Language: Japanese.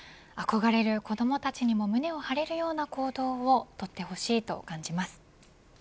憧れる子どもたちにも胸を張れるような行動を取ってほしいと感じます。